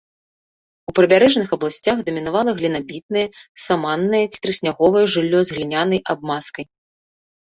У прыбярэжных абласцях дамінавала глінабітнае, саманнае ці трысняговае жыллё з глінянай абмазкай.